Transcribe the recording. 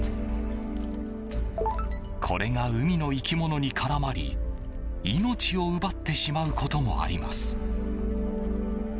これが海の生き物に絡まり命を奪ってしまうこともあります。